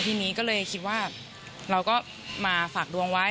ทีนี้ก็เลยคิดว่าเราก็มาฝากดวงไว้